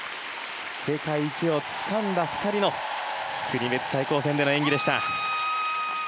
世界一をつかんだ２人の国別対抗戦での演技でした。